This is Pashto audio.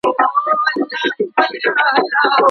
ولي زیارکښ کس د تکړه سړي په پرتله ښه ځلېږي؟